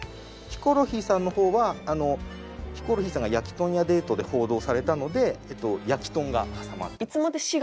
ヒコロヒーさんの方はヒコロヒーさんがやきとん屋デートで報道されたのでやきとんが挟まってます。